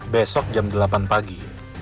besok jam delapan pagi